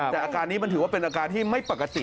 แต่อาการนี้มันถือว่าเป็นอาการที่ไม่ปกติ